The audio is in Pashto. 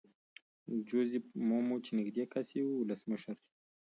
جوزیف مومو چې نږدې کس یې وو ولسمشر شو.